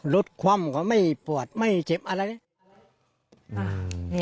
ลดความว่าไม่ปวดไม่เจ็บอะไรแบบนี้